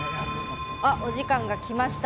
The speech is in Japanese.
お時間が来ました。